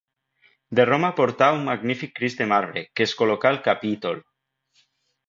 De Roma portà un magnífic Crist de marbre que es col·locà al capítol.